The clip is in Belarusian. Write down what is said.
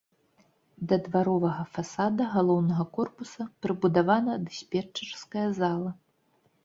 Да дваровага фасада галоўнага корпуса прыбудавана дыспетчарская зала.